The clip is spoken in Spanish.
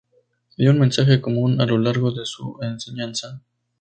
Dio un mensaje común a lo largo de su enseñanza.